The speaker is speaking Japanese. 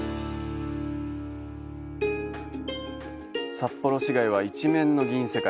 札幌市街は一面の銀世界。